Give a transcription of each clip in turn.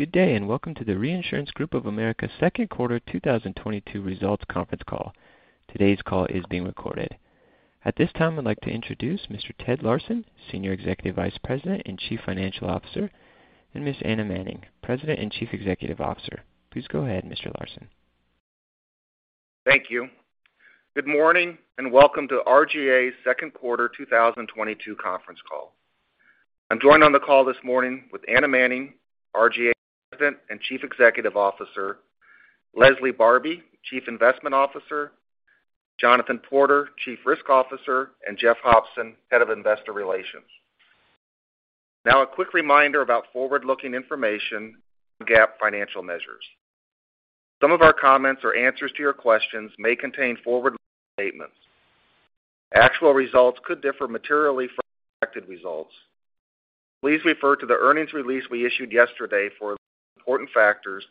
Good day, and Welcome to the Reinsurance Group of America's second quarter 2022 results conference call. Today's call is being recorded. At this time, I'd like to introduce Mr. Todd Larson, Senior Executive Vice President and Chief Financial Officer, and Ms. Anna Manning, President and Chief Executive Officer. Please go ahead, Mr. Larson. Thank you. Good morning, and welcome to RGA's second quarter 2022 conference call. I'm joined on the call this morning with Anna Manning, RGA President and Chief Executive Officer, Leslie Barbi, Chief Investment Officer, Jonathan Porter, Chief Risk Officer, and Jeff Hopson, Head of Investor Relations. Now a quick reminder about forward-looking information on GAAP financial measures. Some of our comments or answers to your questions may contain forward-looking statements. Actual results could differ materially from expected results. Please refer to the earnings release we issued yesterday for important factors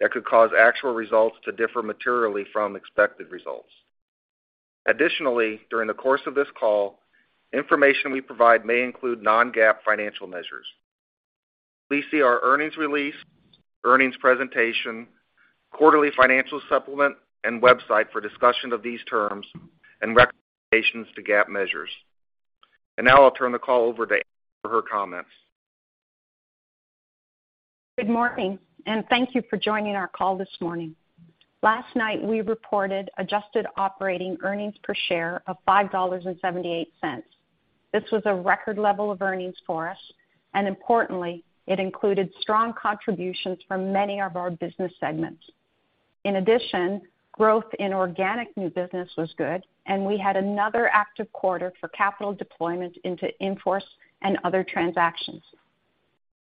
that could cause actual results to differ materially from expected results. Additionally, during the course of this call, information we provide may include non-GAAP financial measures. Please see our earnings release, earnings presentation, quarterly financial supplement, and website for discussion of these terms and recommendations to GAAP measures. Now I'll turn the call over to Anna for her comments. Good morning and thank you for joining our call this morning. Last night, we reported adjusted operating earnings per share of $5.78. This was a record level of earnings for us, and importantly, it included strong contributions from many of our business segments. In addition, growth in organic new business was good, and we had another active quarter for capital deployment into in-force and other transactions.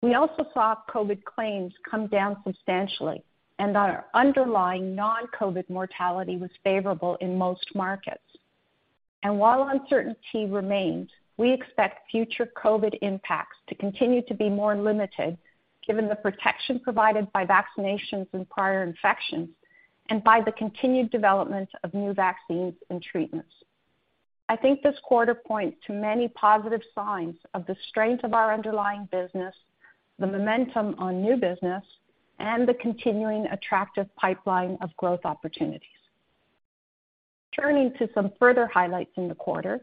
We also saw COVID claims come down substantially, and our underlying non-COVID mortality was favorable in most markets. While uncertainty remains, we expect future COVID impacts to continue to be more limited given the protection provided by vaccinations and prior infections and by the continued development of new vaccines and treatments. I think this quarter points to many positive signs of the strength of our underlying business, the momentum on new business, and the continuing attractive pipeline of growth opportunities. Turning to some further highlights in the quarter.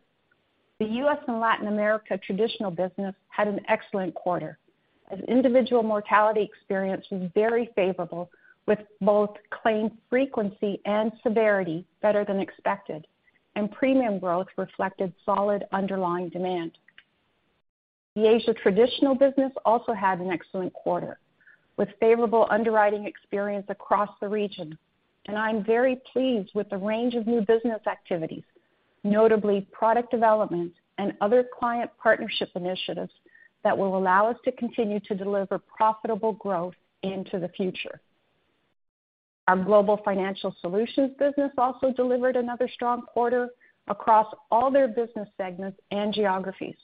The U.S. and Latin America traditional business had an excellent quarter as individual mortality experience was very favorable with both claim frequency and severity better than expected, and premium growth reflected solid underlying demand. The Asia traditional business also had an excellent quarter, with favorable underwriting experience across the region, and I'm very pleased with the range of new business activities, notably product development and other client partnership initiatives that will allow us to continue to deliver profitable growth into the future. Our global financial solutions business also delivered another strong quarter across all their business segments and geographies.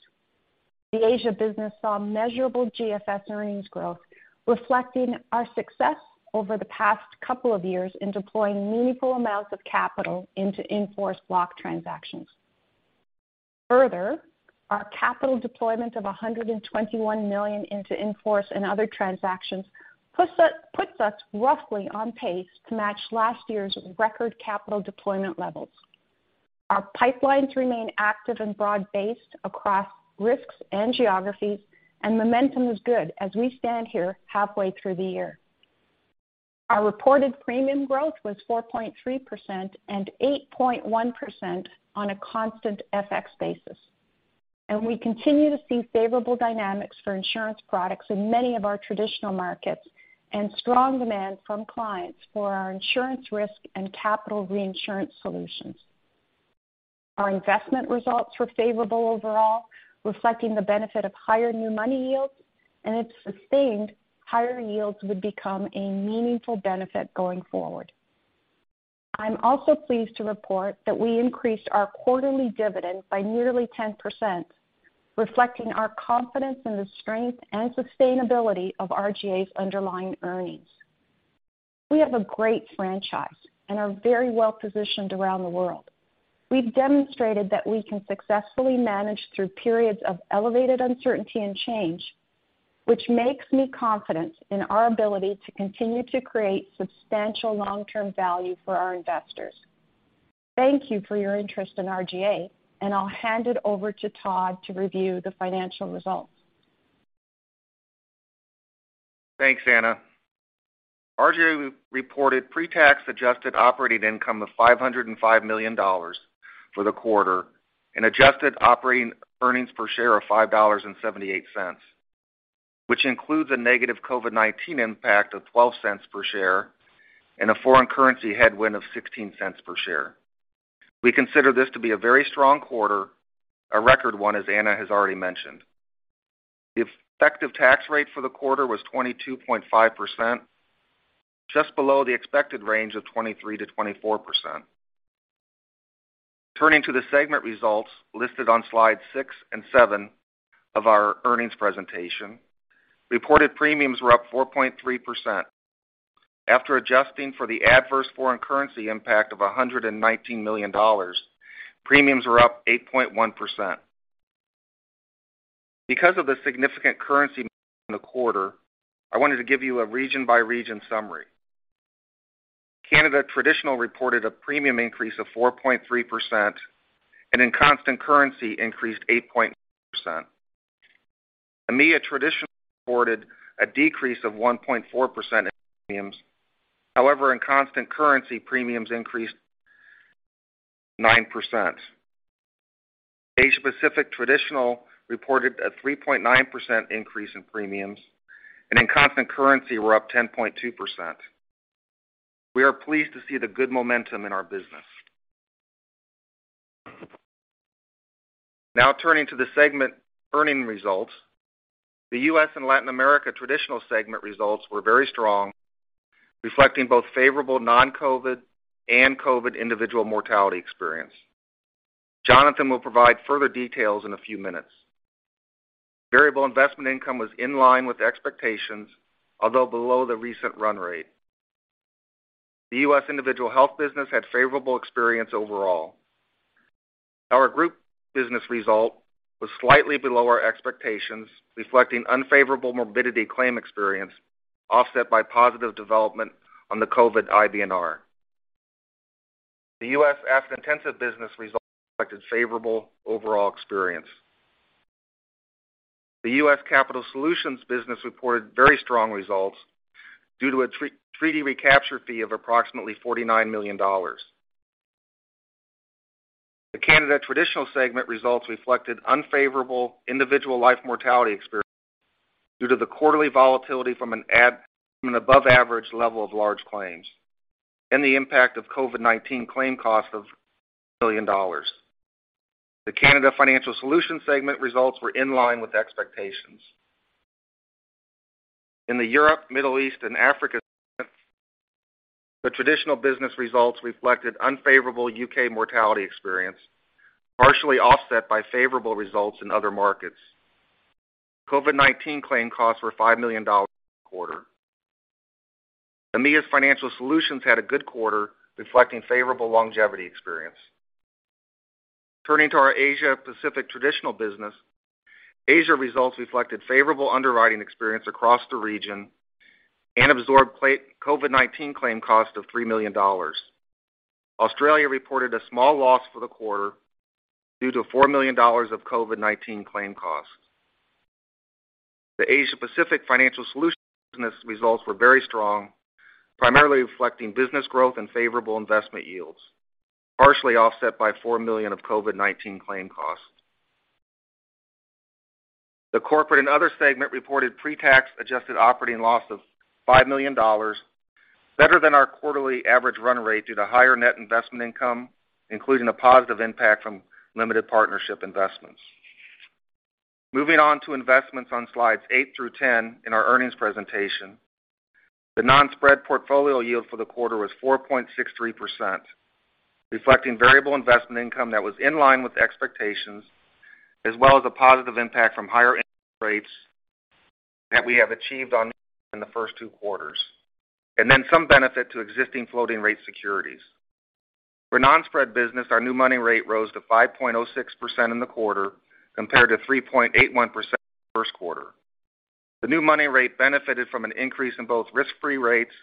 The Asia business saw measurable GFS earnings growth, reflecting our success over the past couple of years in deploying meaningful amounts of capital into in-force block transactions. Further, our capital deployment of $121 million into in-force and other transactions puts us roughly on pace to match last year's record capital deployment levels. Our pipelines remain active and broad-based across risks and geographies, and momentum is good as we stand here halfway through the year. Our reported premium growth was 4.3% and 8.1% on a constant FX basis. We continue to see favorable dynamics for insurance products in many of our traditional markets and strong demand from clients for our insurance risk and capital reinsurance solutions. Our investment results were favorable overall, reflecting the benefit of higher new money yields, and if sustained, higher yields would become a meaningful benefit going forward. I'm also pleased to report that we increased our quarterly dividend by nearly 10%, reflecting our confidence in the strength and sustainability of RGA's underlying earnings. We have a great franchise and are very well positioned around the world. We've demonstrated that we can successfully manage through periods of elevated uncertainty and change, which makes me confident in our ability to continue to create substantial long-term value for our investors. Thank you for your interest in RGA, and I'll hand it over to Todd to review the financial results. Thanks, Anna. RGA reported pre-tax adjusted operating income of $505 million for the quarter and adjusted operating earnings per share of $5.78, which includes a negative COVID-19 impact of $0.12 per share and a foreign currency headwind of $0.16 per share. We consider this to be a very strong quarter, a record one, as Anna has already mentioned. The effective tax rate for the quarter was 22.5%, just below the expected range of 23%-24%. Turning to the segment results listed on slide six and seven of our earnings presentation. Reported premiums were up 4.3%. After adjusting for the adverse foreign currency impact of $119 million, premiums were up 8.1%. Because of the significant currency in the quarter, I wanted to give you a region by region summary. Canada Traditional reported a premium increase of 4.3%, and in constant currency increased 8.9%. EMEA Traditional reported a decrease of 1.4% in premiums. However, in constant currency, premiums increased 9%. Asia Pacific Traditional reported a 3.9% increase in premiums, and in constant currency were up 10.2%. We are pleased to see the good momentum in our business. Now turning to the segment earning results. The U.S. and Latin America Traditional segment results were very strong, reflecting both favorable non-COVID and COVID individual mortality experience. Jonathan will provide further details in a few minutes. Variable investment income was in line with expectations, although below the recent run rate. The U.S. individual health business had favorable experience overall. Our group business result was slightly below our expectations, reflecting unfavorable morbidity claim experience, offset by positive development on the COVID-19 IBNR. The U.S. Asset-Intensive business results reflected favorable overall experience. The U.S. Capital Solutions business reported very strong results due to a treaty recapture fee of approximately $49 million. The Canada Traditional segment results reflected unfavorable individual life mortality experience due to the quarterly volatility from an above average level of large claims and the impact of COVID-19 claim cost of $1 million. The Canada Financial Solution segment results were in line with expectations. In the Europe, Middle East, and Africa segment, the traditional business results reflected unfavorable U.K. mortality experience, partially offset by favorable results in other markets. COVID-19 claim costs were $5 million a quarter. EMEA's Financial Solutions had a good quarter, reflecting favorable longevity experience. Turning to our Asia Pacific Traditional business, Asia results reflected favorable underwriting experience across the region and absorbed COVID-19 claim cost of $3 million. Australia reported a small loss for the quarter due to $4 million of COVID-19 claim costs. The Asia Pacific Financial Solutions business results were very strong, primarily reflecting business growth and favorable investment yields, partially offset by $4 million of COVID-19 claim costs. The corporate and other segment reported pre-tax adjusted operating loss of $5 million, better than our quarterly average run rate due to higher net investment income, including a positive impact from limited partnership investments. Moving on to investments on slides eight through 10 in our earnings presentation. The non-spread portfolio yield for the quarter was 4.63%, reflecting variable investment income that was in line with expectations, as well as a positive impact from higher interest rates that we have achieved in the first two quarters, and then some benefit to existing floating rate securities. For non-spread business, our new money rate rose to 5.06% in the quarter compared to 3.81% in the first quarter. The new money rate benefited from an increase in both risk-free rates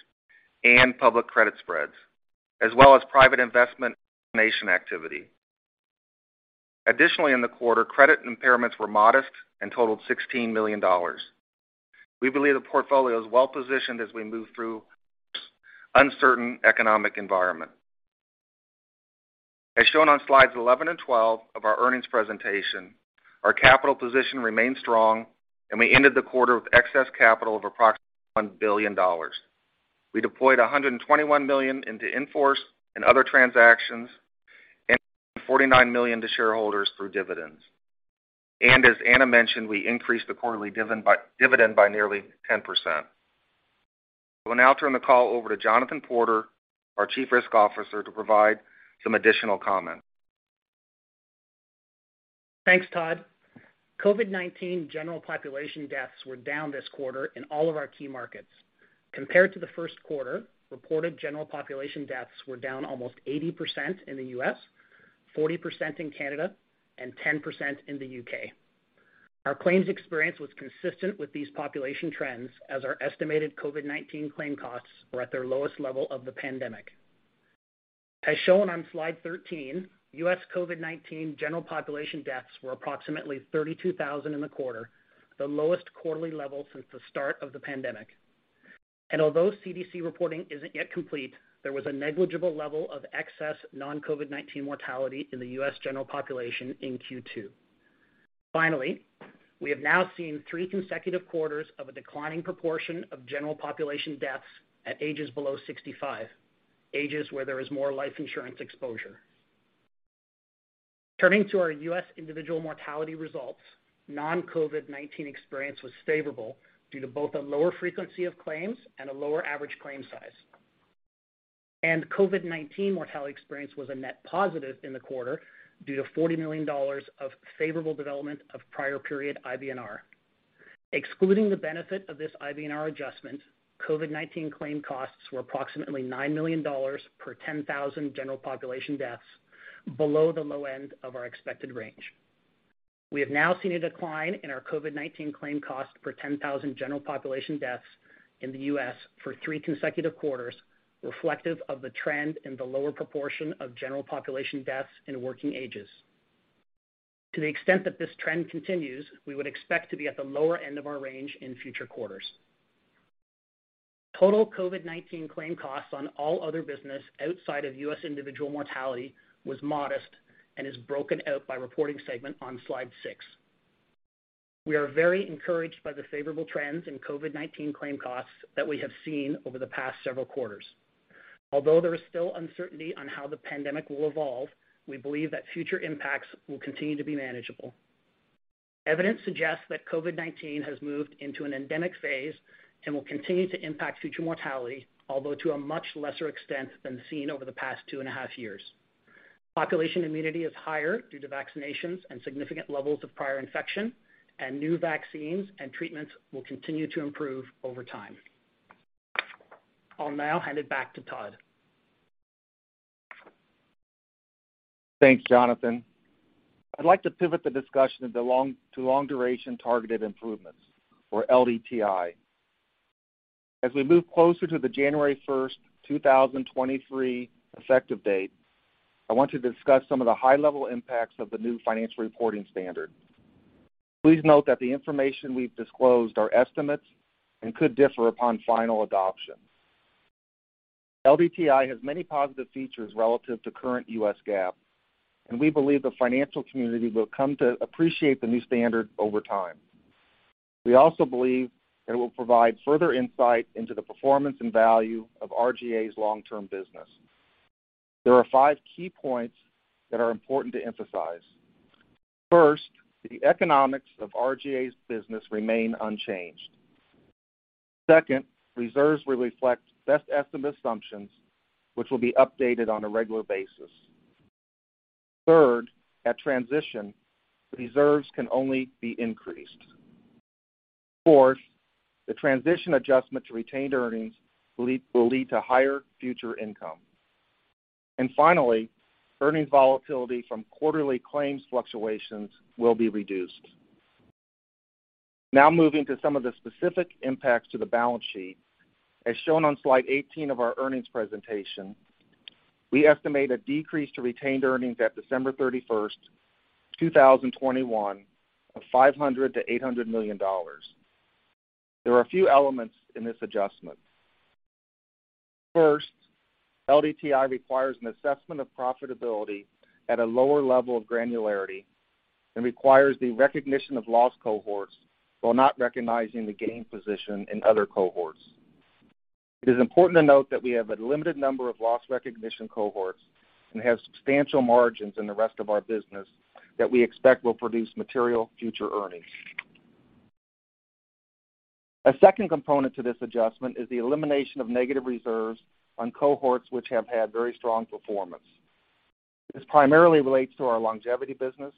and public credit spreads, as well as private investment origination activity. Additionally, in the quarter, credit impairments were modest and totaled $16 million. We believe the portfolio is well positioned as we move through uncertain economic environment. As shown on slides 11 and 12 of our earnings presentation, our capital position remains strong, and we ended the quarter with excess capital of approximately $1 billion. We deployed $121 million into Inforce and other transactions, and $49 million to shareholders through dividends. As Anna mentioned, we increased the quarterly dividend by nearly 10%. I will now turn the call over to Jonathan Porter, our Chief Risk Officer, to provide some additional comments. Thanks, Todd. COVID-19 general population deaths were down this quarter in all of our key markets. Compared to the first quarter, reported general population deaths were down almost 80% in the U.S., 40% in Canada, and 10% in the U.K. Our claims experience was consistent with these population trends as our estimated COVID-19 claim costs were at their lowest level of the pandemic. As shown on slide 13, U.S. COVID-19 general population deaths were approximately 32,000 in the quarter, the lowest quarterly level since the start of the pandemic. Although CDC reporting isn't yet complete, there was a negligible level of excess non-COVID-19 mortality in the U.S. general population in Q2. Finally, we have now seen three consecutive quarters of a declining proportion of general population deaths at ages below 65, ages where there is more life insurance exposure. Turning to our U.S. individual mortality results, non-COVID-19 experience was favorable due to both a lower frequency of claims and a lower average claim size. COVID-19 mortality experience was a net positive in the quarter due to $40 million of favorable development of prior period IBNR. Excluding the benefit of this IBNR adjustment, COVID-19 claim costs were approximately $9 million per 10,000 general population deaths, below the low end of our expected range. We have now seen a decline in our COVID-19 claim cost per 10,000 general population deaths in the U.S. for three consecutive quarters, reflective of the trend in the lower proportion of general population deaths in working ages. To the extent that this trend continues, we would expect to be at the lower end of our range in future quarters. Total COVID-19 claim costs on all other business outside of U.S. individual mortality was modest and is broken out by reporting segment on slide six. We are very encouraged by the favorable trends in COVID-19 claim costs that we have seen over the past several quarters. Although there is still uncertainty on how the pandemic will evolve, we believe that future impacts will continue to be manageable. Evidence suggests that COVID-19 has moved into an endemic phase and will continue to impact future mortality, although to a much lesser extent than seen over the past two and a half years. Population immunity is higher due to vaccinations and significant levels of prior infection, and new vaccines and treatments will continue to improve over time. I'll now hand it back to Todd. Thanks, Jonathan. I'd like to pivot the discussion to long duration targeted improvements, or LDTI. As we move closer to the January 1st, 2023 effective date, I want you to discuss some of the high level impacts of the new financial reporting standard. Please note that the information we've disclosed are estimates and could differ upon final adoption. LDTI has many positive features relative to current U.S. GAAP, and we believe the financial community will come to appreciate the new standard over time. We also believe it will provide further insight into the performance and value of RGA's long-term business. There are five key points that are important to emphasize. First, the economics of RGA's business remain unchanged. Second, reserves will reflect best estimate assumptions, which will be updated on a regular basis. Third, at transition, reserves can only be increased. Fourth, the transition adjustment to retained earnings will lead to higher future income. Finally, earnings volatility from quarterly claims fluctuations will be reduced. Now moving to some of the specific impacts to the balance sheet. As shown on slide 18 of our earnings presentation, we estimate a decrease to retained earnings at December 31st, 2021 of $500 million-$800 million. There are a few elements in this adjustment. First, LDTI requires an assessment of profitability at a lower level of granularity and requires the recognition of loss cohorts while not recognizing the gain position in other cohorts. It is important to note that we have a limited number of loss recognition cohorts and have substantial margins in the rest of our business that we expect will produce material future earnings. A second component to this adjustment is the elimination of negative reserves on cohorts which have had very strong performance. This primarily relates to our longevity business,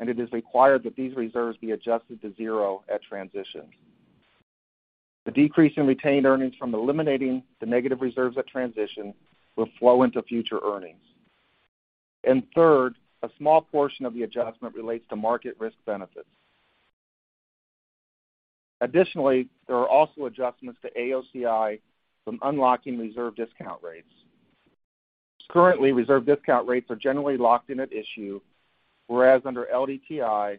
and it is required that these reserves be adjusted to zero at transition. The decrease in retained earnings from eliminating the negative reserves at transition will flow into future earnings. Third, a small portion of the adjustment relates to market risk benefits. Additionally, there are also adjustments to AOCI from unlocking reserve discount rates. Currently, reserve discount rates are generally locked in at issue, whereas under LDTI,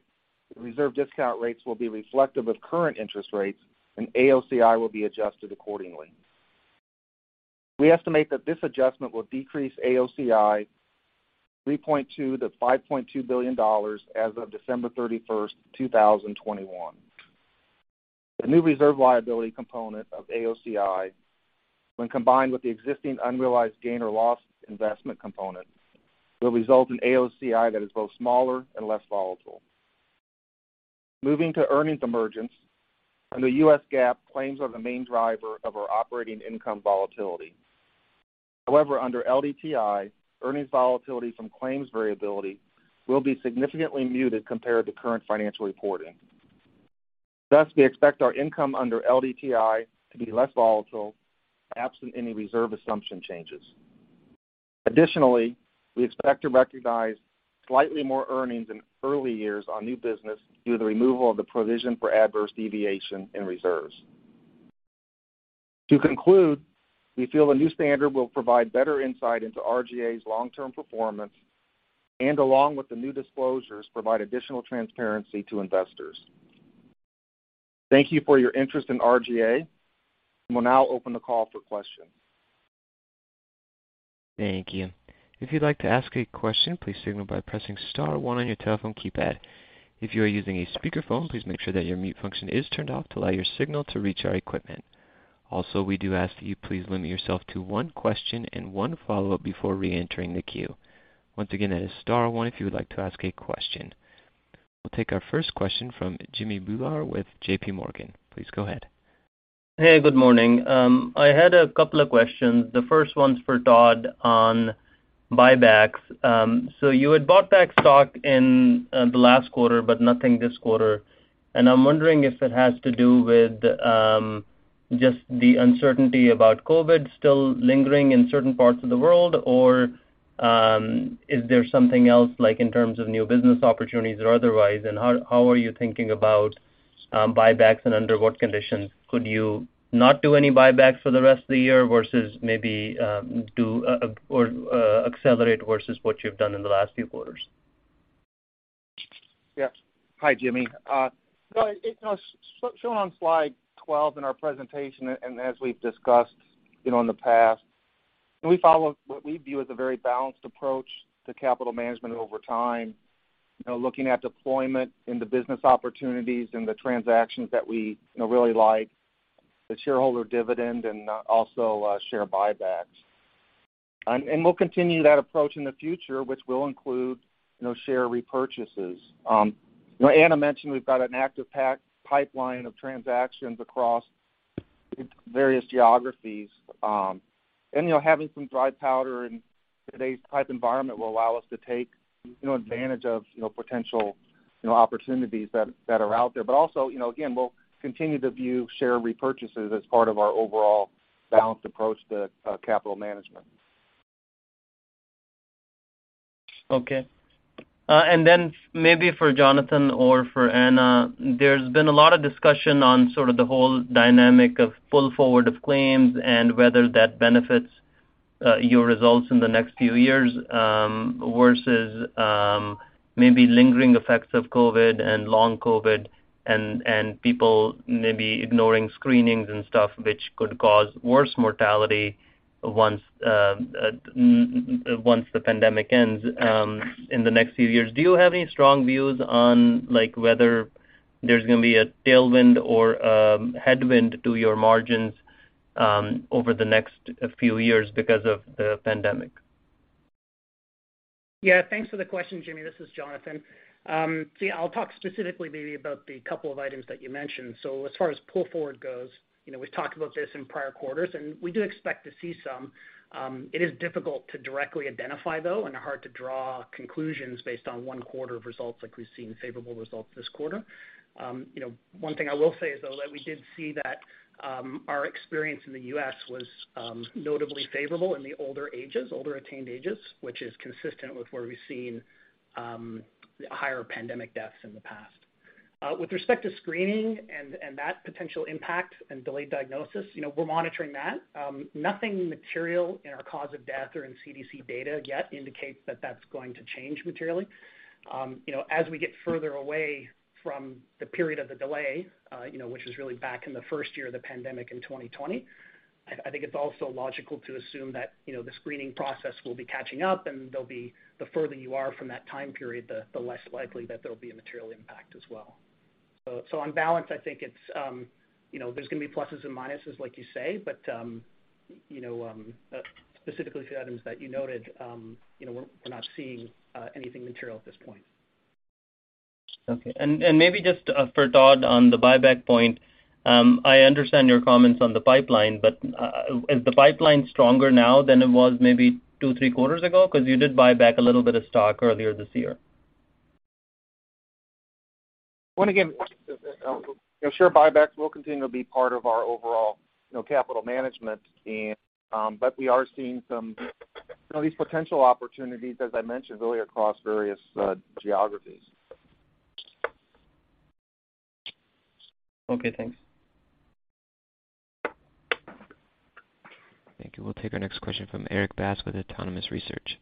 reserve discount rates will be reflective of current interest rates and AOCI will be adjusted accordingly. We estimate that this adjustment will decrease AOCI $3.2 billion-$5.2 billion as of December 31st, 2021. The new reserve liability component of AOCI, when combined with the existing unrealized gain or loss investment component, will result in AOCI that is both smaller and less volatile. Moving to earnings emergence. Under U.S. GAAP, claims are the main driver of our operating income volatility. However, under LDTI, earnings volatility from claims variability will be significantly muted compared to current financial reporting. Thus, we expect our income under LDTI to be less volatile, absent any reserve assumption changes. Additionally, we expect to recognize slightly more earnings in early years on new business due to the removal of the provision for adverse deviation in reserves. To conclude, we feel the new standard will provide better insight into RGA's long-term performance and along with the new disclosures, provide additional transparency to investors. Thank you for your interest in RGA. We'll now open the call for questions. Thank you. If you'd like to ask a question, please signal by pressing star one on your telephone keypad. If you are using a speakerphone, please make sure that your mute function is turned off to allow your signal to reach our equipment. Also, we do ask that you please limit yourself to one question and one follow-up before reentering the queue. Once again, that is star one if you would like to ask a question. We'll take our first question from Jimmy Bhullar with JPMorgan. Please go ahead. Hey, good morning. I had a couple of questions. The first one's for Todd on buybacks. You had bought back stock in the last quarter but nothing this quarter. I'm wondering if it has to do with just the uncertainty about COVID still lingering in certain parts of the world? Or is there something else, like, in terms of new business opportunities or otherwise, and how are you thinking about buybacks and under what conditions could you not do any buybacks for the rest of the year versus maybe do or accelerate versus what you've done in the last few quarters? Yeah. Hi, Jimmy. No, you know, shown on slide 12 in our presentation, and as we've discussed, you know, in the past, we follow what we view as a very balanced approach to capital management over time. You know, looking at deployment into business opportunities and the transactions that we, you know, really like, the shareholder dividend and also share buybacks. We'll continue that approach in the future, which will include, you know, share repurchases. You know, Anna mentioned we've got an active packed pipeline of transactions across various geographies. You know, having some dry powder in today's tight environment will allow us to take, you know, advantage of, you know, potential, you know, opportunities that are out there. Also, you know, again, we'll continue to view share repurchases as part of our overall balanced approach to capital management. Okay. Maybe for Jonathan or for Anna, there's been a lot of discussion on sort of the whole dynamic of pull forward of claims and whether that benefits your results in the next few years versus maybe lingering effects of COVID and long COVID and people maybe ignoring screenings and stuff which could cause worse mortality once the pandemic ends in the next few years. Do you have any strong views on like whether there's gonna be a tailwind or headwind to your margins over the next few years because of the pandemic? Yeah, thanks for the question, Jimmy. This is Jonathan. See, I'll talk specifically maybe about the couple of items that you mentioned. As far as pull forward goes, you know, we've talked about this in prior quarters, and we do expect to see some. It is difficult to directly identify though, and hard to draw conclusions based on one quarter of results like we've seen favorable results this quarter. You know, one thing I will say is, though, that we did see that our experience in the U.S. was notably favorable in the older ages, older attained ages, which is consistent with where we've seen higher pandemic deaths in the past. With respect to screening and that potential impact and delayed diagnosis, you know, we're monitoring that. Nothing material in our cause of death or in CDC data yet indicates that that's going to change materially. You know, as we get further away from the period of the delay, you know, which is really back in the first year of the pandemic in 2020, I think it's also logical to assume that, you know, the screening process will be catching up, and there'll be the further you are from that time period, the less likely that there'll be a material impact as well. On balance, I think it's, you know, there's gonna be pluses and minuses like you say, but, you know, specifically to the items that you noted, you know, we're not seeing anything material at this point. Okay. Maybe just for Todd on the buyback point. I understand your comments on the pipeline, but is the pipeline stronger now than it was maybe two, three quarters ago? Cause you did buy back a little bit of stock earlier this year. Once again, you know, share buybacks will continue to be part of our overall, you know, capital management scheme. We are seeing some, you know, these potential opportunities, as I mentioned earlier, across various geographies. Okay, thanks. Thank you. We'll take our next question from Erik Bass with Autonomous Research.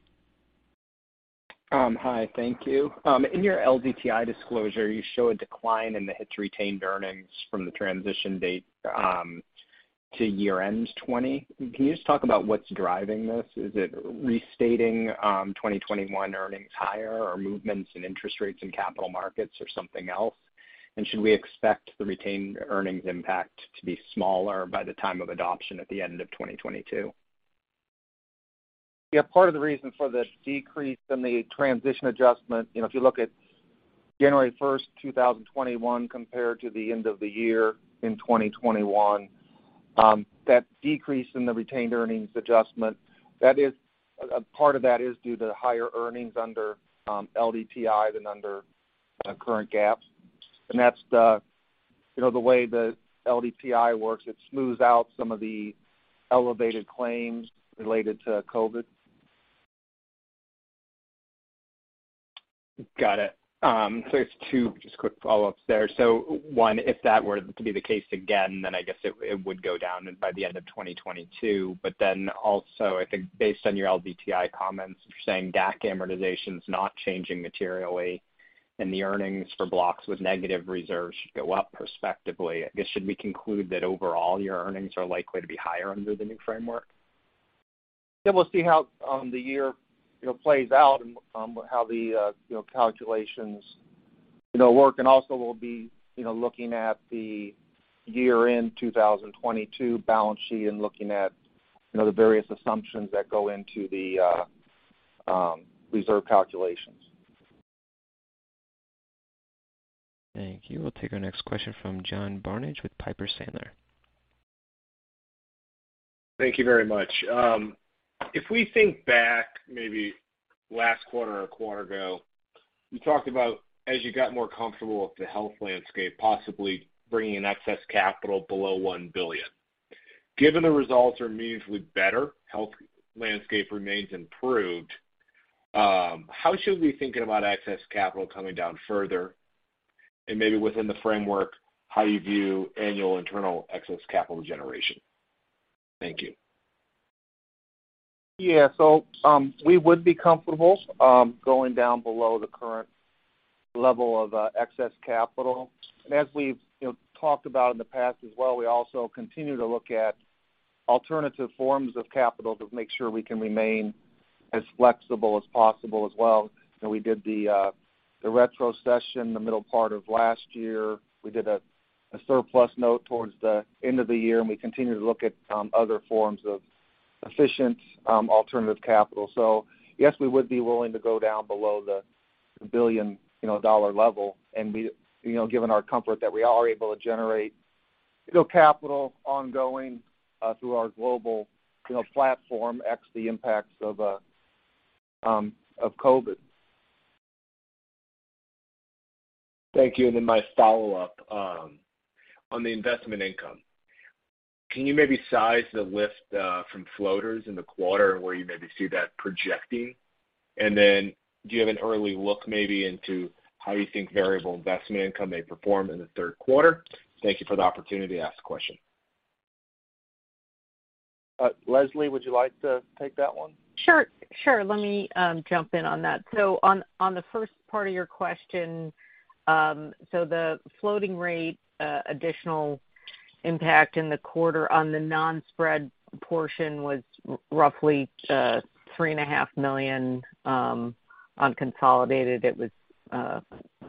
Hi. Thank you. In your LDTI disclosure, you show a decline in the hit to retained earnings from the transition date to year-end 2020. Can you just talk about what's driving this? Is it restating 2021 earnings higher or movements in interest rates and capital markets or something else? Should we expect the retained earnings impact to be smaller by the time of adoption at the end of 2022? Yeah, part of the reason for the decrease in the transition adjustment, you know, if you look at January 1st, 2021 compared to the end of the year in 2021, that decrease in the retained earnings adjustment, that is, a part of that is due to higher earnings under LDTI than under current GAAP. That's the, you know, the way the LDTI works, it smooths out some of the elevated claims related to COVID. Got it. I have two just quick follow-ups there. One, if that were to be the case again, then I guess it would go down by the end of 2022. I think based on your LDTI comments, if you're saying DAC amortization is not changing materially and the earnings for blocks with negative reserves should go up prospectively, I guess, should we conclude that overall, your earnings are likely to be higher under the new framework? Yeah, we'll see how the year, you know, plays out and how the calculations, you know, work. Also, we'll be, you know, looking at the year-end 2022 balance sheet and looking at, you know, the various assumptions that go into the reserve calculations. Thank you. We'll take our next question from John Barnidge with Piper Sandler. Thank you very much. If we think back maybe last quarter or a quarter ago, you talked about as you got more comfortable with the health landscape, possibly bringing in excess capital below $1 billion. Given the results are meaningfully better, health landscape remains improved, how should we be thinking about excess capital coming down further? Maybe within the framework, how you view annual internal excess capital generation. Thank you. Yeah. We would be comfortable going down below the current level of excess capital. As we've you know talked about in the past as well, we also continue to look at alternative forms of capital to make sure we can remain as flexible as possible as well. We did the retrocession in the middle part of last year. We did a surplus note towards the end of the year, and we continue to look at other forms of efficient alternative capital. Yes, we would be willing to go down below the $1 billion level. We you know given our comfort that we are able to generate you know capital ongoing through our global you know platform ex the impacts of COVID. Thank you. My follow-up on the investment income. Can you maybe size the lift from floaters in the quarter and where you maybe see that projecting? Do you have an early look maybe into how you think variable investment income may perform in the third quarter? Thank you for the opportunity to ask the question. Leslie, would you like to take that one? Sure. Let me jump in on that. On the first part of your question, the floating rate additional impact in the quarter on the non-spread portion was roughly $3.5 million on consolidated. It was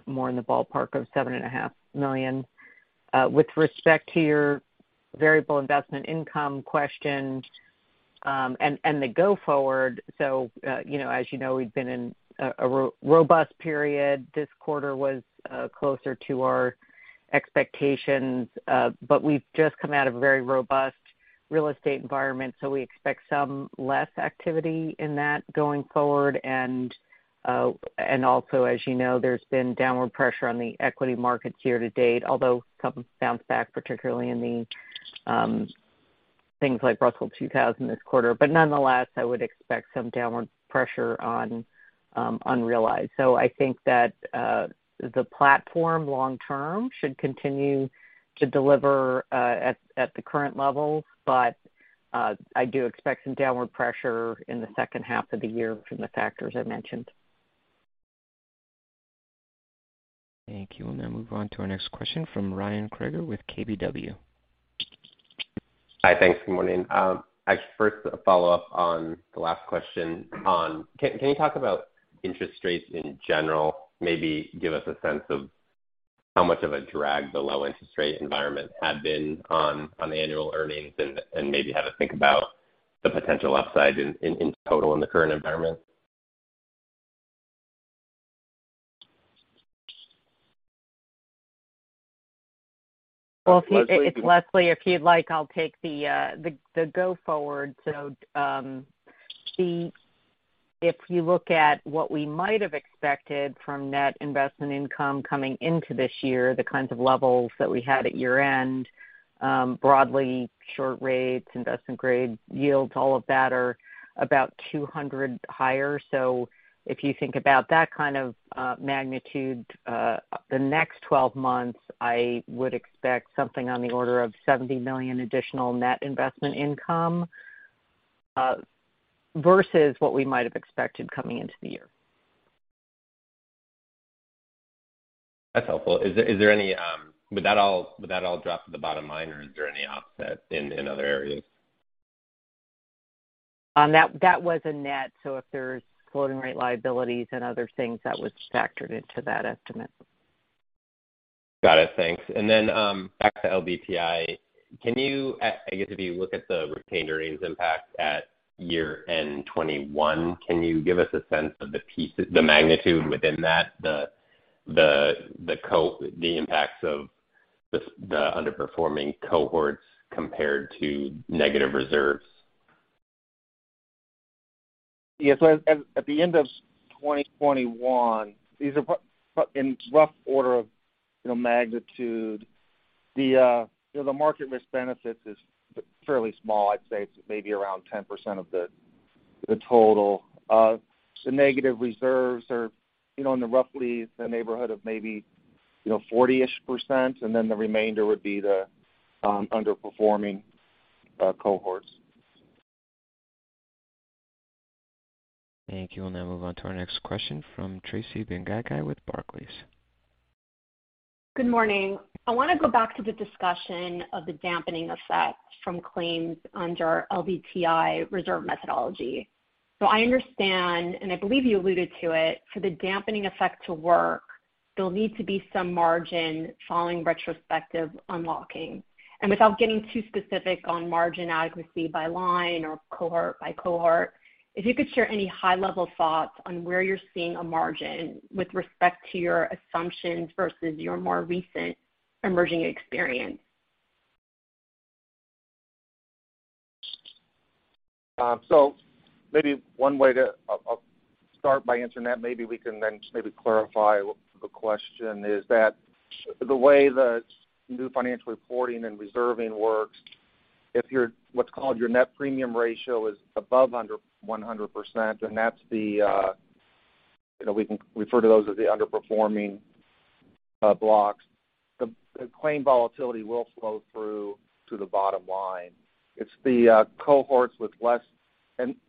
more in the ballpark of $7.5 million. With respect to your variable investment income question and the going forward, you know, we've been in a robust period. This quarter was closer to our expectations, but we've just come out of a very robust real estate environment, so we expect some less activity in that going forward. Also, as you know, there's been downward pressure on the equity markets year to date, although some bounce back, particularly in things like Russell 2000 this quarter. Nonetheless, I would expect some downward pressure on unrealized. I think that the platform long term should continue to deliver at the current level. I do expect some downward pressure in the second half of the year from the factors I mentioned. Thank you. We'll now move on to our next question from Ryan Krueger with KBW. Hi. Thanks. Good morning. I have a follow-up on the last question. Can you talk about interest rates in general, maybe give us a sense of how much of a drag the low-interest rate environment had been on annual earnings and maybe have a think about the potential upside in total in the current environment? Well, if you Leslie, do you It's Leslie. If you'd like, I'll take the go forward. If you look at what we might have expected from net investment income coming into this year, the kinds of levels that we had at year-end, broadly short rates, investment grade yields, all of that are about 200 higher. If you think about that kind of magnitude, the next 12 months, I would expect something on the order of $70 million additional net investment income versus what we might have expected coming into the year. That's helpful. Would that all drop to the bottom line or is there any offset in other areas? That was a net, so if there's floating rate liabilities and other things that was factored into that estimate. Got it. Thanks, and then back to LDTI. I guess if you look at the retained earnings impact at year end 2021, can you give us a sense of the magnitude within that, the impacts of the underperforming cohorts compared to negative reserves? Yeah. At the end of 2021, these are rough in rough order of, you know, magnitude. The market risk benefits is fairly small. I'd say it's maybe around 10% of the total. The negative reserves are in roughly the neighborhood of maybe 40%, and then the remainder would be the underperforming cohorts. Thank you. We'll now move on to our next question from Tracy Benguigui with Barclays. Good morning. I want to go back to the discussion of the dampening effect from claims under LDTI reserve methodology. I understand, and I believe you alluded to it, for the dampening effect to work, there'll need to be some margin following retrospective unlocking. Without getting too specific on margin adequacy by line or cohort by cohort, if you could share any high-level thoughts on where you're seeing a margin with respect to your assumptions versus your more recent emerging experience. One way to start by answering that is to clarify the question, that the way the new financial reporting and reserving works, if what's called the net premium ratio is above 100%, and that's the, you know, we can refer to those as the underperforming blocks, the claim volatility will flow through to the bottom line. It's the cohorts with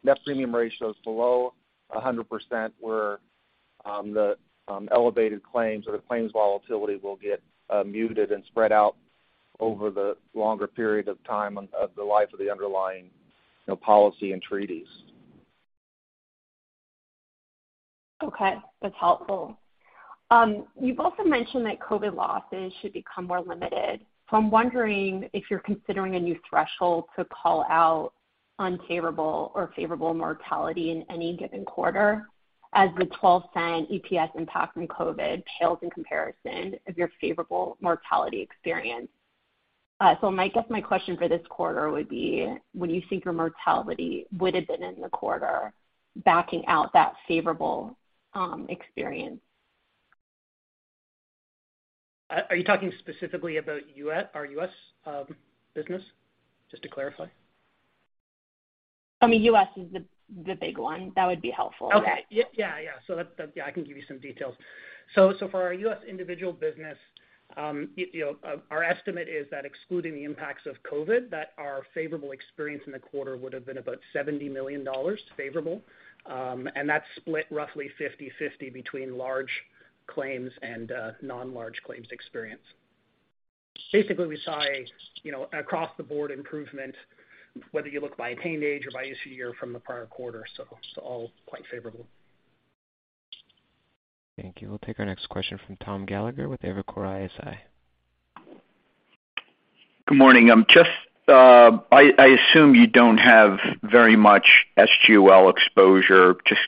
net premium ratios below 100% where the elevated claims or the claims volatility will get muted and spread out over the longer period of time of the life of the underlying, you know, policy and treaties. Okay, that's helpful. You've also mentioned that COVID losses should become more limited. I'm wondering if you're considering a new threshold to call out unfavorable or favorable mortality in any given quarter as the $0.12 EPS impact from COVID pales in comparison to your favorable mortality experience. My question for this quarter would be, when you think your mortality would have been in the quarter, backing out that favorable experience. Are you talking specifically about U.S., our U.S. business? Just to clarify. I mean, U.S. is the big one. That would be helpful. Okay. Yeah. I can give you some details. For our U.S. individual business, you know, our estimate is that excluding the impacts of COVID, that our favorable experience in the quarter would have been about $70 million favorable, and that's split roughly 50/50 between large claims and non-large claims experience. Basically, we saw you know, across-the-board improvement, whether you look by attained age or by issue year from the prior quarter, all quite favorable. Thank you. We'll take our next question from Thomas Gallagher with Evercore ISI. Good morning. Just, I assume you don't have very much GUL exposure just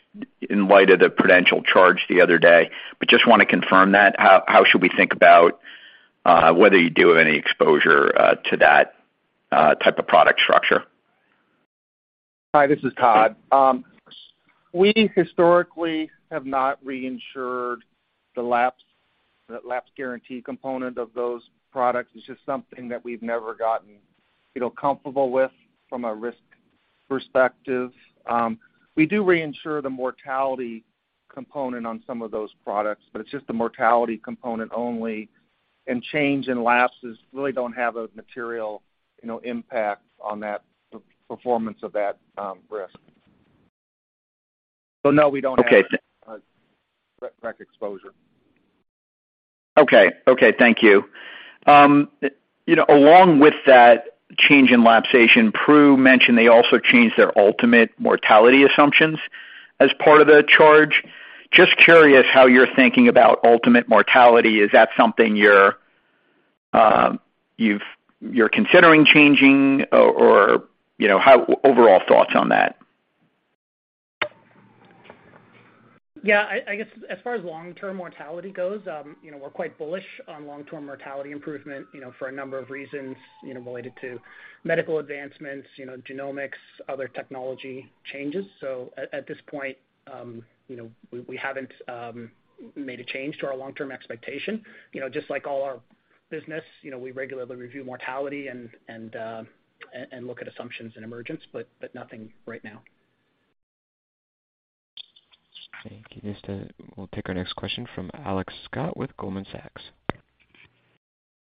in light of the Prudential charge the other day. Just want to confirm that, how should we think about whether you do have any exposure to that type of product structure? Hi, this is Todd. We historically have not reinsured the lapse guarantee component of those products. It's just something that we've never gotten, you know, comfortable with from a risk perspective. We do reinsure the mortality component on some of those products, but it's just the mortality component only, and change in lapses really don't have a material, you know, impact on that performance of that risk. No, we don't have- Okay. rec exposure. Okay, thank you. You know, along with that change in lapsation, Pru mentioned they also changed their ultimate mortality assumptions as part of the charge. Just curious how you're thinking about ultimate mortality. Is that something you're considering changing or, you know, your overall thoughts on that? Yeah, I guess as far as long-term mortality goes, you know, we're quite bullish on long-term mortality improvement, you know, for a number of reasons, you know, related to medical advancements, you know, genomics, other technology changes. At this point, you know, we haven't made a change to our long-term expectation. You know, just like all our business, you know, we regularly review mortality and look at assumptions and emergence, but nothing right now. Thank you. We'll take our next question from Alex Scott with Goldman Sachs.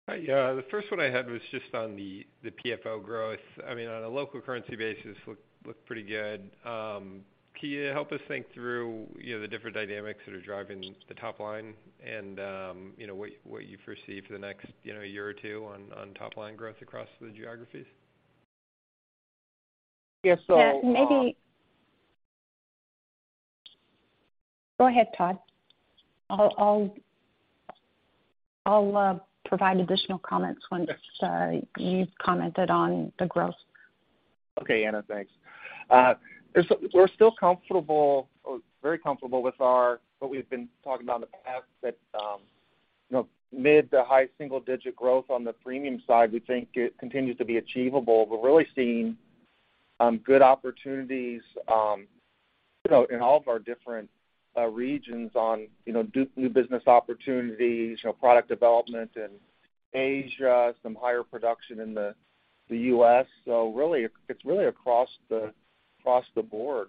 Hi. Yeah, the first one I had was just on the PFO growth. I mean, on a local currency basis, looked pretty good. Can you help us think through, you know, the different dynamics that are driving the top line and, you know, what you foresee for the next, you know, year or two on top line growth across the geographies? Yeah. Yeah, maybe. Go ahead, Todd. I'll provide additional comments once you've commented on the growth. Okay, Anna, thanks. We're still comfortable or very comfortable with our, what we've been talking about in the past that, you know, mid to high single digit growth on the premium side, we think it continues to be achievable. We're really seeing good opportunities, you know, in all of our different regions on, you know, new business opportunities, you know, product development in Asia, some higher production in the U.S. Really, it's really across the board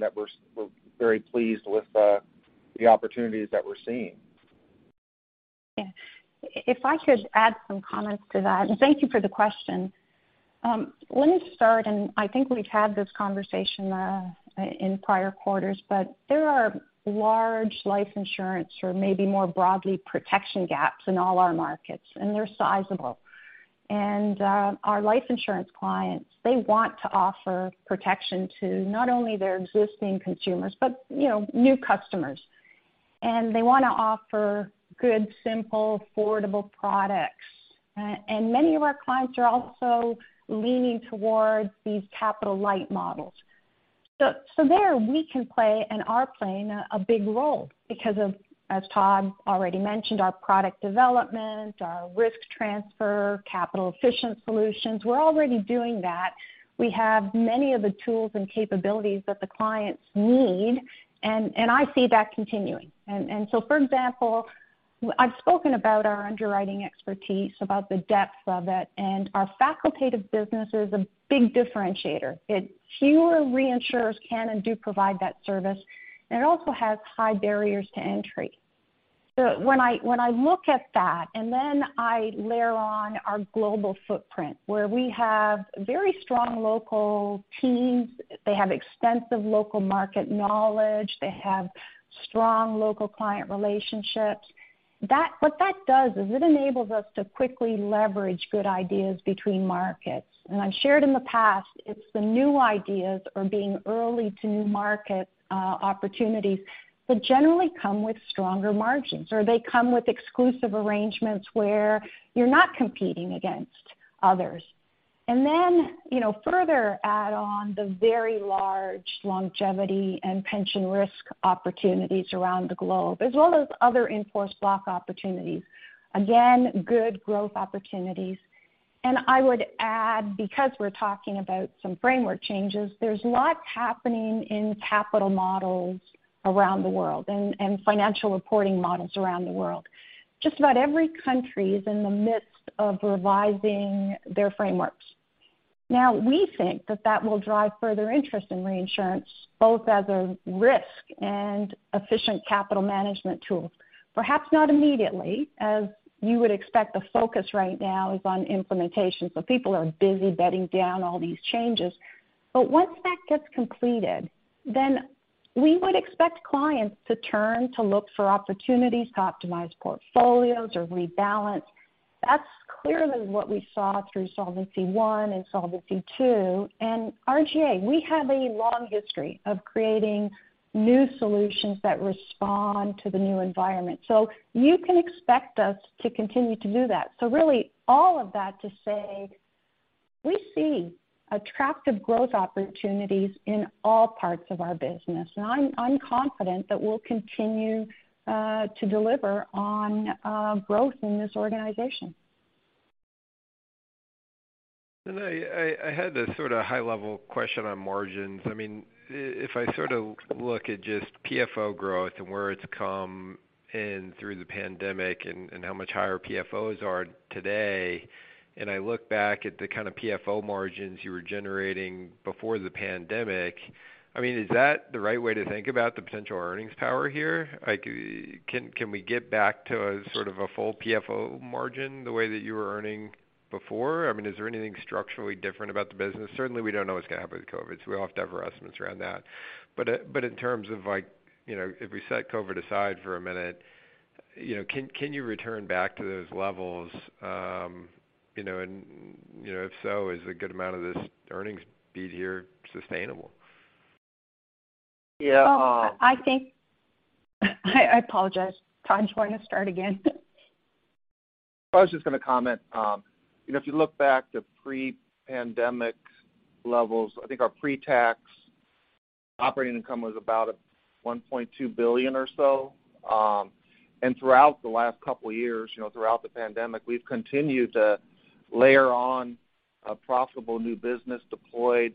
that we're very pleased with the opportunities that we're seeing. Yeah. If I could add some comments to that, and thank you for the question. Let me start. I think we've had this conversation in prior quarters, but there are large life insurance or maybe more broadly protection gaps in all our markets, and they're sizable. Our life insurance clients, they want to offer protection to not only their existing consumers, but you know, new customers. They want to offer good, simple, affordable products. Many of our clients are also leaning towards these capital light models. There we can play and are playing a big role because of, as Todd already mentioned, our product development, our risk transfer, capital efficient solutions. We're already doing that. We have many of the tools and capabilities that the clients need, and I see that continuing. For example, I've spoken about our underwriting expertise, about the depth of it, and our facultative business is a big differentiator. It, fewer reinsurers can and do provide that service, and it also has high barriers to entry. When I look at that, and then I layer on our global footprint, where we have very strong local teams, they have extensive local market knowledge, they have strong local client relationships. That, what that does is it enables us to quickly leverage good ideas between markets. I've shared in the past, it's the new ideas or being early to new market opportunities that generally come with stronger margins, or they come with exclusive arrangements where you're not competing against others. You know, further add on the very large longevity and pension risk opportunities around the globe, as well as other in-force block opportunities. Again, good growth opportunities. I would add, because we're talking about some framework changes, there's lots happening in capital models around the world and financial reporting models around the world. Just about every country is in the midst of revising their frameworks. Now, we think that will drive further interest in reinsurance, both as a risk and efficient capital management tool. Perhaps not immediately, as you would expect the focus right now is on implementation, so people are busy bedding down all these changes. Once that gets completed, then we would expect clients to turn to look for opportunities to optimize portfolios or rebalance. That's clearly what we saw through Solvency I and Solvency II. RGA, we have a long history of creating new solutions that respond to the new environment. You can expect us to continue to do that. Really, all of that to say we see attractive growth opportunities in all parts of our business. I'm confident that we'll continue to deliver on growth in this organization. I had a sort of high level question on margins. I mean, if I sort of look at just PFO growth and where it's come in through the pandemic and how much higher PFOs are today, and I look back at the kind of PFO margins you were generating before the pandemic, I mean, is that the right way to think about the potential earnings power here? Like, can we get back to a sort of a full PFO margin the way that you were earning before? I mean, is there anything structurally different about the business? Certainly, we don't know what's gonna happen with COVID, so we all have to have our estimates around that. In terms of like, you know, if we set COVID aside for a minute, you know, can you return back to those levels? You know, if so, is a good amount of these earnings beat here sustainable? Yeah. I apologize. Todd, do you want to start again? I was just gonna comment, you know, if you look back to pre-pandemic levels, I think our pre-tax operating income was about $1.2 billion or so. Throughout the last couple of years, you know, throughout the pandemic, we've continued to layer on a profitable new business, deployed,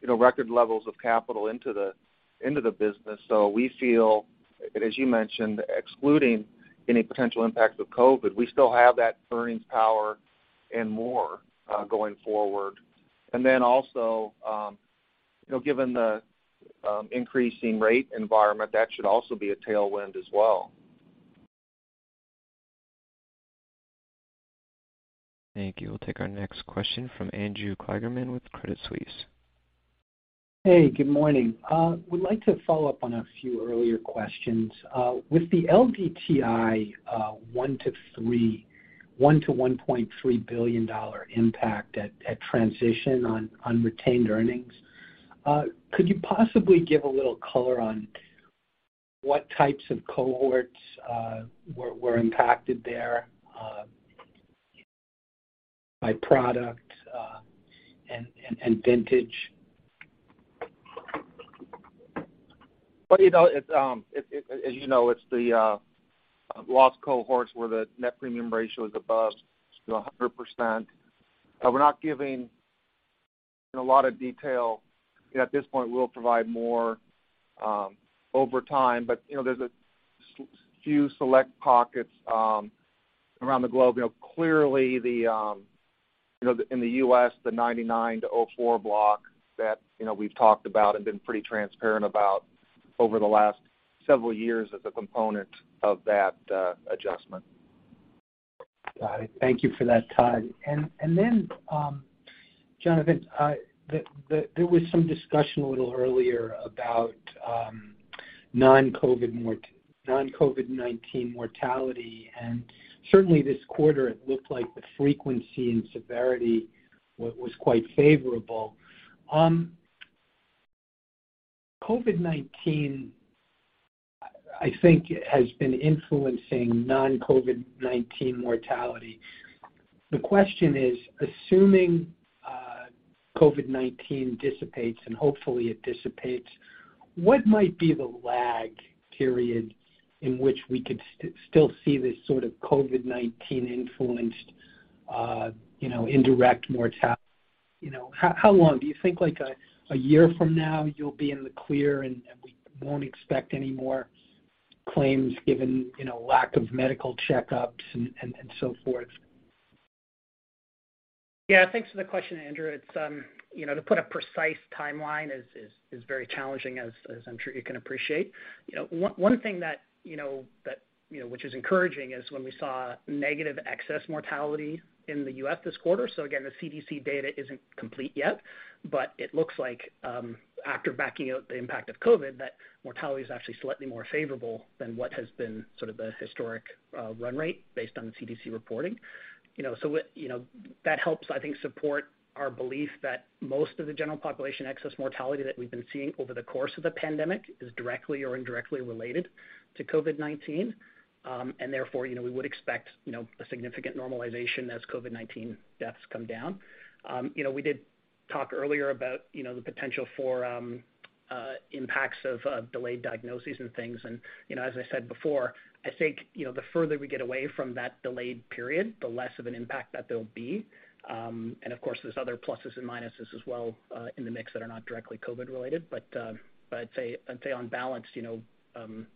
you know, record levels of capital into the business. We feel, as you mentioned, excluding any potential impacts of COVID, we still have that earnings power and more, going forward. Also, you know, given the increasing rate environment, that should also be a tailwind as well. Thank you. We'll take our next question from Andrew Kligerman with Credit Suisse. Hey, good morning. Would like to follow up on a few earlier questions. With the LDTI, $1 billion-$1.3 billion impact at transition on retained earnings, could you possibly give a little color on what types of cohorts were impacted there, by product, and vintage? You know, as you know, it's the loss cohorts where the net premium ratio is above 100%. We're not giving a lot of detail at this point. We'll provide more over time. You know, there's a few select pockets around the globe. You know, clearly in the U.S., the 1999-2004 block that, you know, we've talked about and been pretty transparent about over the last several years as a component of that adjustment. Got it. Thank you for that, Todd. Then, Jonathan, there was some discussion a little earlier about non-COVID-19 mortality, and certainly this quarter it looked like the frequency and severity was quite favorable. COVID-19, I think, has been influencing non-COVID-19 mortality. The question is, assuming COVID-19 dissipates, and hopefully it dissipates, what might be the lag period in which we could still see this sort of COVID-19 influenced, you know, indirect mortality? You know, how long do you think? Like, a year from now you'll be in the clear, and we won't expect any more claims given, you know, lack of medical checkups and so forth. Yeah. Thanks for the question, Andrew. It's you know, to put a precise timeline is very challenging as I'm sure you can appreciate. You know, one thing that you know which is encouraging is when we saw negative excess mortality in the U.S. this quarter. Again, the CDC data isn't complete yet, but it looks like after backing out the impact of COVID, that mortality is actually slightly more favorable than what has been sort of the historical run rate based on the CDC reporting. You know, so you know that helps, I think, support our belief that most of the general population excess mortality that we've been seeing over the course of the pandemic is directly or indirectly related to COVID-19. Therefore, you know, we would expect, you know, a significant normalization as COVID-19 deaths come down. You know, we did talk earlier about the potential for impacts of delayed diagnoses and things. You know, as I said before, I think, you know, the further we get away from that delayed period, the less of an impact that there'll be. Of course, there's other pluses and minuses as well in the mix that are not directly COVID related. I'd say on balance, you know,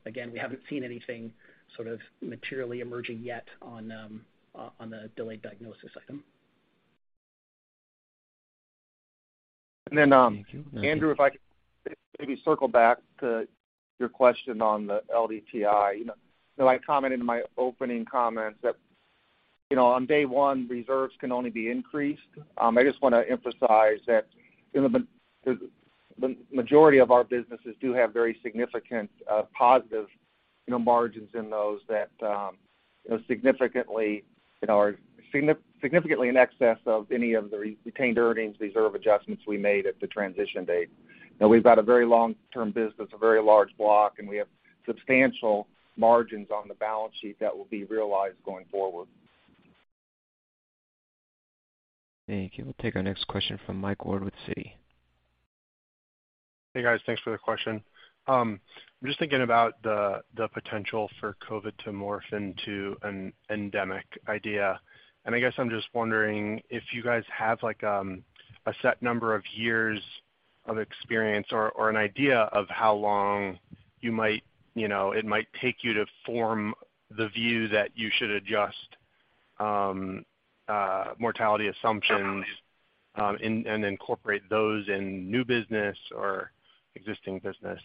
again, we haven't seen anything sort of materially emerging yet on the delayed diagnosis item. Thank you. Andrew, if I could maybe circle back to your question on the LDTI. You know, I commented in my opening comments that, you know, on day one, reserves can only be increased. I just wanna emphasize that, you know, the majority of our businesses do have very significant, positive, you know, margins in those that, you know, significantly are significantly in excess of any of the retained earnings reserve adjustments we made at the transition date. You know, we've got a very long-term business, a very large block, and we have substantial margins on the balance sheet that will be realized going forward. Thank you. We'll take our next question from Michael Ward with Citi. Hey, guys. Thanks for the question. I'm just thinking about the potential for COVID to morph into an endemic idea. I guess I'm just wondering if you guys have like a set number of years of experience or an idea of how long you might, you know, it might take you to form the view that you should adjust mortality assumptions and incorporate those in new business or existing business.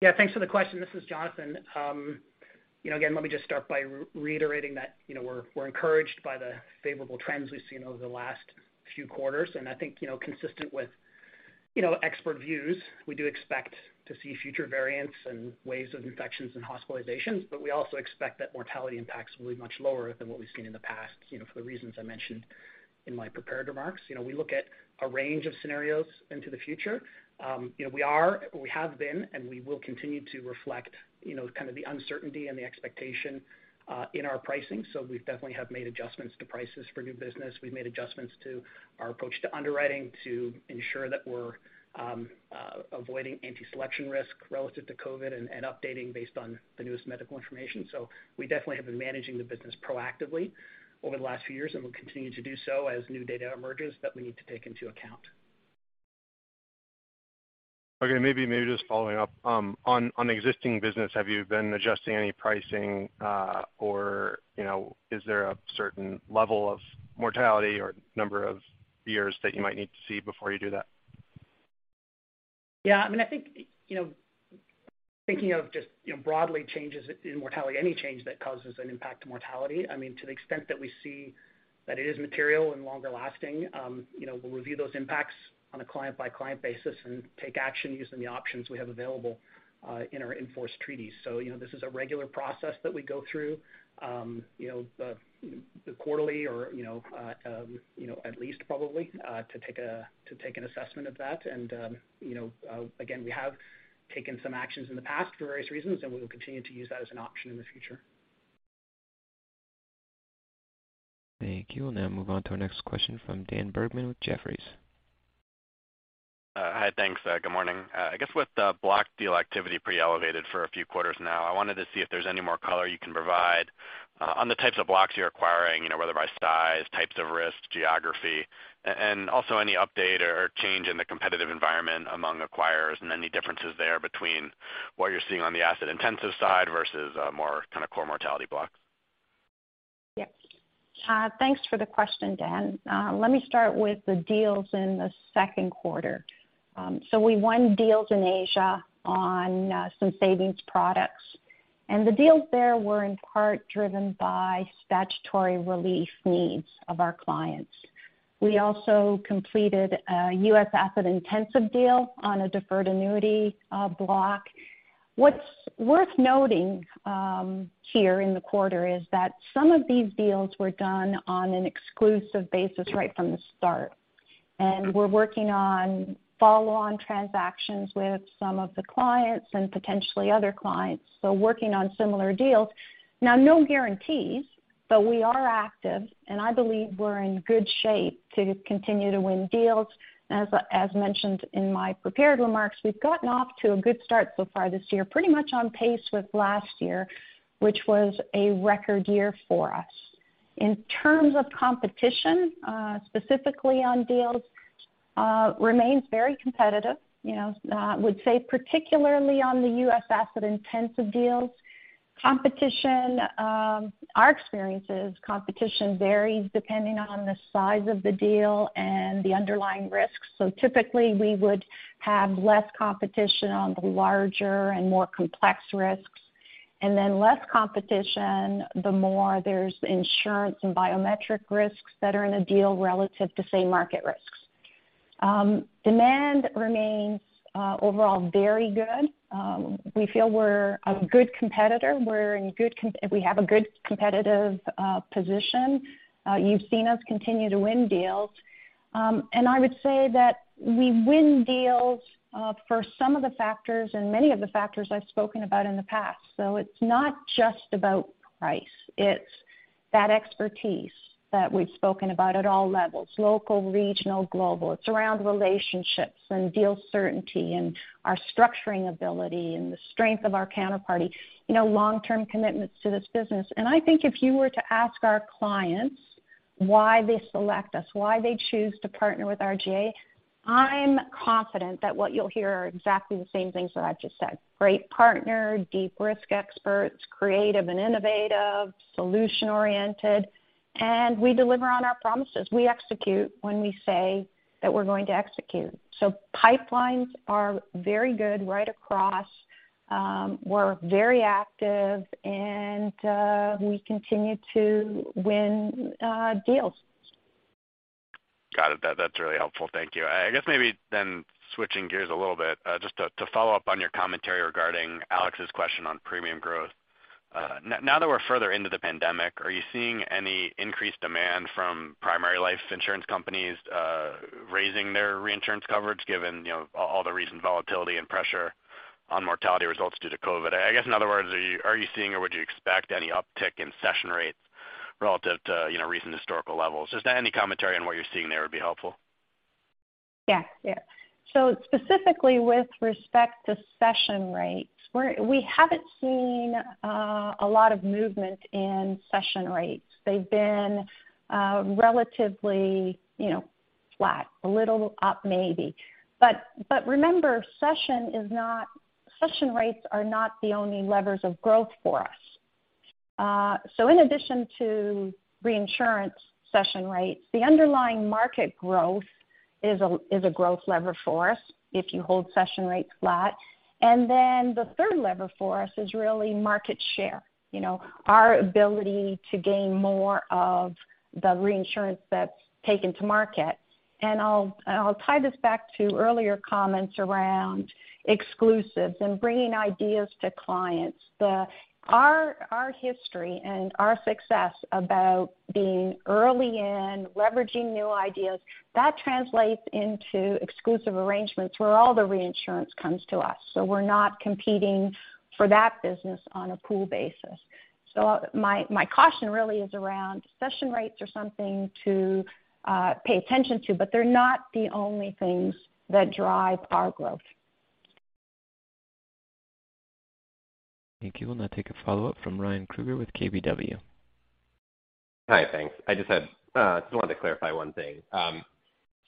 Yeah, thanks for the question. This is Jonathan. You know, again, let me just start by reiterating that, you know, we're encouraged by the favorable trends we've seen over the last few quarters. I think, you know, consistent with, you know, expert views, we do expect to see future variants and waves of infections and hospitalizations, but we also expect that mortality impacts will be much lower than what we've seen in the past, you know, for the reasons I mentioned in my prepared remarks. You know, we look at a range of scenarios into the future. You know, we are, we have been, and we will continue to reflect, you know, kind of the uncertainty and the expectation in our pricing. We definitely have made adjustments to prices for new business. We've made adjustments to our approach to underwriting to ensure that we're avoiding anti-selection risk relative to COVID and updating based on the newest medical information. We definitely have been managing the business proactively over the last few years, and we'll continue to do so as new data emerges that we need to take into account. Okay. Maybe just following up on existing business, have you been adjusting any pricing, or, you know, is there a certain level of mortality or number of years that you might need to see before you do that? Yeah, I mean, I think, you know, thinking of just, you know, broadly changes in mortality, any change that causes an impact to mortality, I mean, to the extent that we see that it is material and longer lasting, you know, we'll review those impacts on a client-by-client basis and take action using the options we have available, in our in-force treaties. You know, this is a regular process that we go through, you know, quarterly or, you know, at least probably, to take an assessment of that. You know, again, we have taken some actions in the past for various reasons, and we will continue to use that as an option in the future. Thank you. We'll now move on to our next question from Daniel Bergman with Jefferies. Hi. Thanks. Good morning. I guess with the block deal activity pretty elevated for a few quarters now, I wanted to see if there's any more color you can provide on the types of blocks you're acquiring, you know, whether by size, types of risk, geography. And also, any update or change in the competitive environment among acquirers, and any differences there between what you're seeing on the asset intensive side versus more kind of core mortality blocks. Yeah. Thanks for the question, Dan. Let me start with the deals in the second quarter. We won deals in Asia on some savings products, and the deals there were in part driven by statutory relief needs of our clients. We also completed a U.S. asset-intensive deal on a deferred annuity block. What's worth noting here in the quarter is that some of these deals were done on an exclusive basis right from the start. We're working on follow-on transactions with some of the clients and potentially other clients. Working on similar deals. No guarantees, but we are active, and I believe we're in good shape to continue to win deals. As mentioned in my prepared remarks, we've gotten off to a good start so far this year, pretty much on pace with last year, which was a record year for us. In terms of competition, specifically on deals, remains very competitive. You know, I would say particularly on the U.S. asset-intensive deals. Our experience is competition varies depending on the size of the deal and the underlying risks. Typically, we would have less competition on the larger and more complex risks, and then less competition the more there's insurance and biometric risks that are in a deal relative to, say, market risks. Demand remains overall very good. We feel we're a good competitor. We have a good competitive position. You've seen us continue to win deals. I would say that we win deals for some of the factors and many of the factors I've spoken about in the past. It's not just about price, it's that expertise that we've spoken about at all levels, local, regional, global. It's around relationships and deal certainty and our structuring ability and the strength of our counterparty, you know, long-term commitments to this business. I think if you were to ask our clients why they select us, why they choose to partner with RGA, I'm confident that what you'll hear are exactly the same things that I've just said. Great partner, deep risk experts, creative and innovative, solution-oriented, and we deliver on our promises. We execute when we say that we're going to execute. Pipelines are very good right across. We're very active and we continue to win deals. Got it. That's really helpful. Thank you. I guess maybe then switching gears a little bit, just to follow up on your commentary regarding Alex's question on premium growth. Now that we're further into the pandemic, are you seeing any increased demand from primary life insurance companies raising their reinsurance coverage given, you know, all the recent volatility and pressure on mortality results due to COVID? I guess, in other words, are you seeing or would you expect any uptick in cession rates relative to, you know, recent historical levels? Just any commentary on what you're seeing there would be helpful. Yeah. Yeah. Specifically with respect to cession rates, we haven't seen a lot of movement in cession rates. They've been relatively, you know, flat, a little up maybe. Remember, cession rates are not the only levers of growth for us. In addition to reinsurance cession rates, the underlying market growth is a growth lever for us if you hold cession rates flat. Then the third lever for us is really market share. You know, our ability to gain more of the reinsurance that's taken to market. I'll tie this back to earlier comments around exclusives and bringing ideas to clients. Our history and our success about being early in leveraging new ideas, that translates into exclusive arrangements where all the reinsurance comes to us, so we're not competing for that business on a pool basis. My caution really is around cession rates or something to pay attention to, but they're not the only things that drive our growth. Thank you. We'll now take a follow-up from Ryan Krueger with KBW. Hi. Thanks. I just wanted to clarify one thing.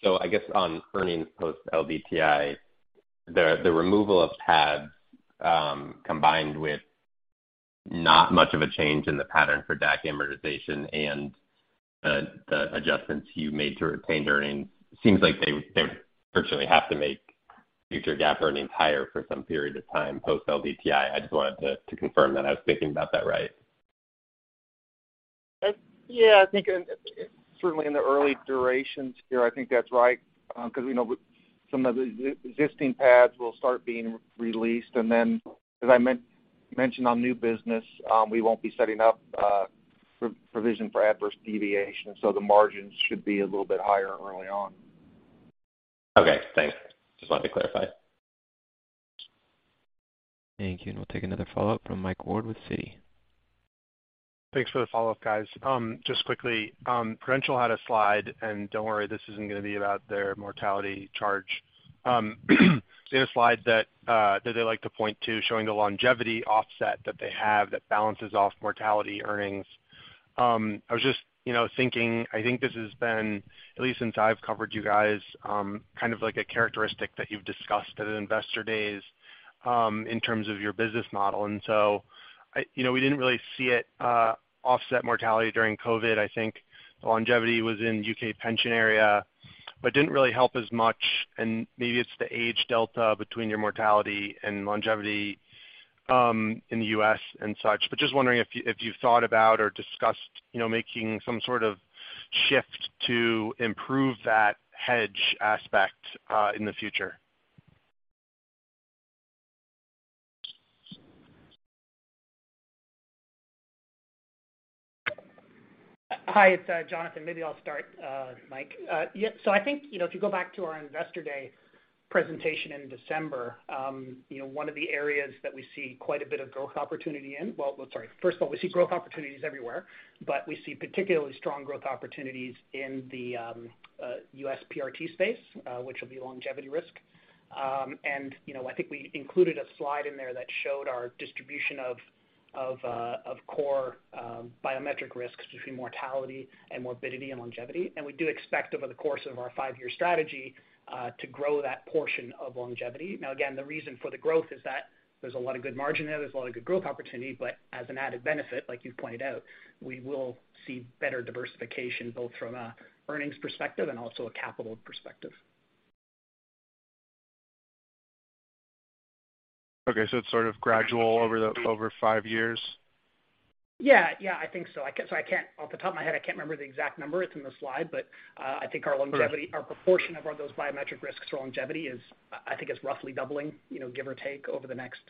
I guess on earnings post-LDTI, the removal of PAD, combined with not much of a change in the pattern for DAC amortization and the adjustments you made to retained earnings, seems like they virtually have to make future GAAP earnings higher for some period of time post-LDTI. I just wanted to confirm that I was thinking about that right? Yeah, I think certainly in the early durations here, I think that's right, cause, you know, some of the existing PADs will start being released. Then as I mentioned on new business, we won't be setting up provision for adverse deviation, so the margins should be a little bit higher early on. Okay, thanks. Just wanted to clarify. Thank you. We'll take another follow-up from Michael Ward with Citi. Thanks for the follow-up, guys. Just quickly, Prudential had a slide, and don't worry, this isn't gonna be about their mortality charge. They had a slide that they like to point to showing the longevity offset that they have that balances off mortality earnings. I was just, you know, thinking, I think this has been, at least since I've covered you guys, kind of like a characteristic that you've discussed at an investor days, in terms of your business model. You know, we didn't really see it offset mortality during COVID. I think longevity was in U.K. pension area, but didn't really help as much, and maybe it's the age delta between your mortality and longevity, in the U.S. and such. Just wondering if you've thought about or discussed, you know, making some sort of shift to improve that hedge aspect, in the future? Hi, it's Jonathan. Maybe I'll start, Mike. I think, you know, if you go back to our investor day presentation in December, you know, one of the areas that we see quite a bit of growth opportunity in. Well, sorry. First of all, we see growth opportunities everywhere, but we see particularly strong growth opportunities in the U.S. PRT space, which will be longevity risk. And, you know, I think we included a slide in there that showed our distribution of core biometric risks between mortality and morbidity and longevity. We do expect over the course of our five-year strategy to grow that portion of longevity. Now, again, the reason for the growth is that there's a lot of good margin there's a lot of good growth opportunity, but as an added benefit, like you've pointed out, we will see better diversification, both from an earnings perspective and also a capital perspective. Okay. It's sort of gradual over five years. Yeah. Yeah, I think so. Off the top of my head, I can't remember the exact number. It's in the slide, but I think our longevity. All right. Our proportion of all those biometric risks for longevity is, I think, roughly doubling, you know, give or take, over the next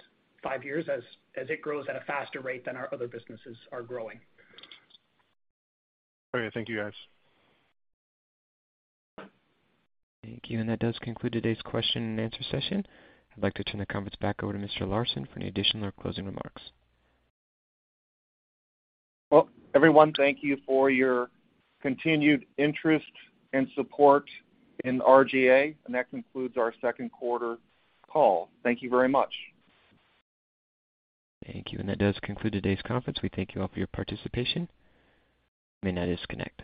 five years as it grows at a faster rate than our other businesses are growing. All right. Thank you, guys. Thank you. That does conclude today's question and answer session. I'd like to turn the conference back over to Mr. Larson for any additional or closing remarks. Well, everyone, thank you for your continued interest and support in RGA. That concludes our second quarter call. Thank you very much. Thank you. That does conclude today's conference. We thank you all for your participation. You may now disconnect.